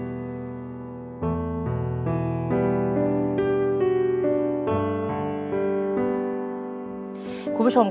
ครับผมอยากได้เงินสบายนะครับ